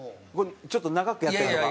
ちょっと長くやってるとか？